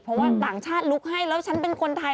เพราะว่าต่างชาติลุกให้แล้วฉันเป็นคนไทย